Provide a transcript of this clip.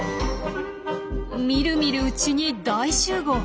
みるみるうちに大集合！